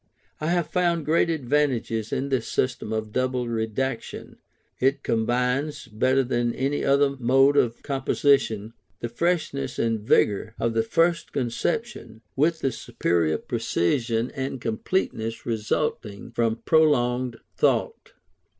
I have found great advantages in this system of double redaction. It combines, better than any other mode of composition, the freshness and vigour of the first conception, with the superior precision and completeness resulting from prolonged thought.